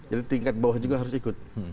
jadi tingkat bawah juga harus ikut